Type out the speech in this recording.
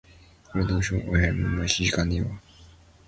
It is unclear if she fled to France with him.